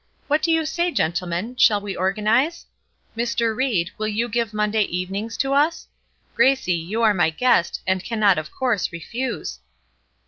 What do you say, gentlemen; shall we organize? Mr. Ried, will you give Monday evenings to us? Gracie, you are my guest, and cannot, of course, refuse."